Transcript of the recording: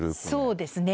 そうですね。